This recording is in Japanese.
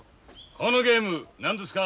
このゲーム何ですか？